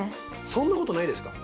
そんなことないですか？